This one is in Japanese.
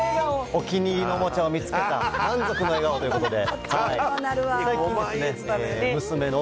お気に入りのおもちゃを見つけた満足の笑顔ということで。